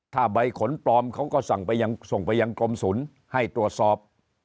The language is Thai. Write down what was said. ถ้าใบขนปลอมเขาก็สั่งไปยังส่งไปยังกรมศูนย์ให้ตรวจสอบ